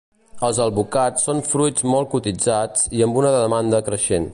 Els alvocats són fruits molt cotitzats i amb una demanda creixent.